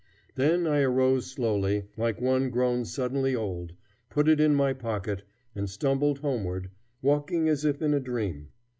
Then I arose slowly, like one grown suddenly old, put it in my pocket, and stumbled homeward, walking as if in a dream.